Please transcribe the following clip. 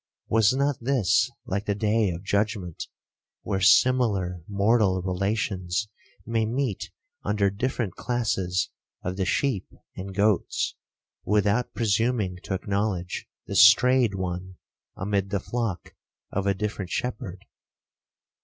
Was not this like the day of judgement, where similar mortal relations may meet under different classes of the sheep and goats, without presuming to acknowledge the strayed one amid the flock of a different shepherd?